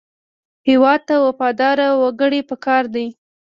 هېواد ته وفادار وګړي پکار دي